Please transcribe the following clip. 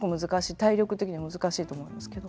体力的にも難しいと思うんですけど。